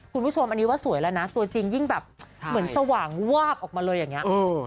คุณผู้ชมอันนี้ว่าสวยแล้วนะตัวจริงยิ่งแบบเหมือนสว่างวาบออกมาเลยอย่างนี้